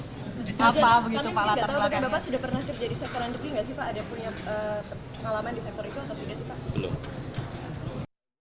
kalau tidak tahu tapi bapak sudah pernah kerja di sektor industri gak sih pak ada punya pengalaman di sektor itu atau tidak sih pak